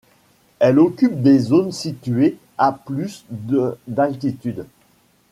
Elle occupe des zones situées à plus de d'altitude.